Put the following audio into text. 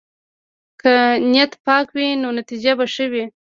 که نیت پاک وي، نو نتیجه به ښه وي.